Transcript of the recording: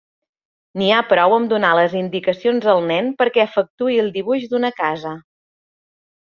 N'hi ha prou amb donar les indicacions al nen perquè efectuï el dibuix d'una casa.